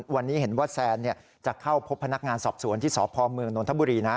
วันนี้เห็นว่าแซนจะเข้าพบพนักงานสอบสวนที่สพเมืองนทบุรีนะ